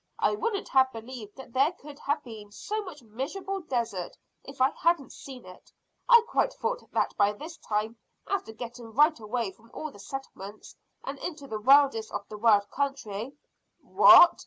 I wouldn't have believed that there could have been so much miserable desert if I hadn't seen it. I quite thought that by this time, after getting right away from all settlements and into the wildest of the wild country " "What!"